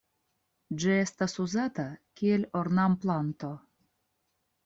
Ĝi estas uzata kiel ornamplanto.